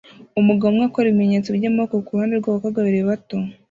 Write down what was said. Umugabo umwe akora ibimenyetso byamaboko kuruhande rwabakobwa babiri bato